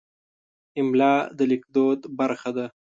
املا د لیکدود برخه ده.